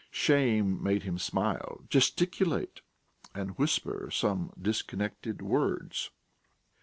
Shame made him smile, gesticulate, and whisper some disconnected words.